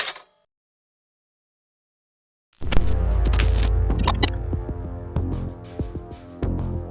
น้ำสัมภัย